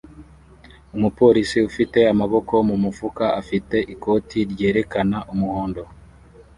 umupolisi ufite amaboko mu mufuka afite ikoti ryerekana umuhondo